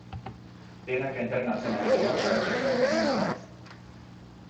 Denak entrenatzen ari dira frantsesa eta ni izan ezik.